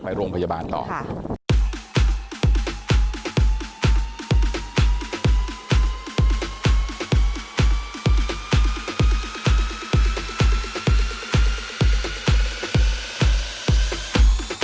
ไปโรงพยาบาลต่อค่ะ